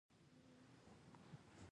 دا میز غټ ده